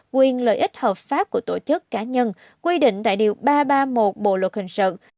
quyền lợi ích hợp pháp của tổ chức cá nhân quy định tại điều ba trăm ba mươi một bộ luật hình sự